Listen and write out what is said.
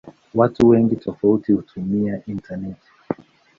Watu wengi tofauti hutumia intaneti.